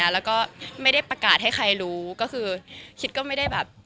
แล้วก็ไม่ได้ประกาศให้ใครรู้ก็คือคิดก็ไม่ได้แบบ